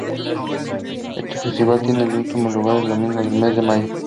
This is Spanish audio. Este festival tiene lugar el último domingo del mes de mayo.